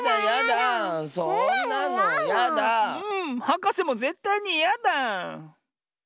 はかせもぜったいにいやだ！